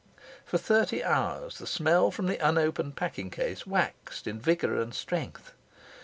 For thirty hours the smell from the unopened packing case waxed in vigour and strength.